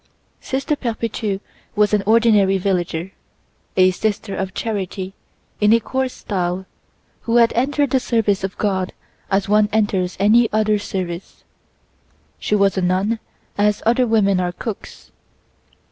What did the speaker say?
Sister Perpétue was an ordinary villager, a sister of charity in a coarse style, who had entered the service of God as one enters any other service. She was a nun as other women are cooks.